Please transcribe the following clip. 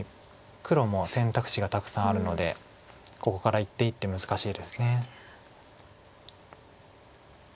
黒も選択肢がたくさんあるのでここから一手一手難しいです。